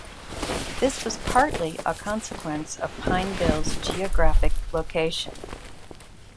This was partly a consequence of Pineville's geographic location.